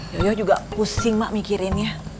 yoyo juga pusing mak mikirin ya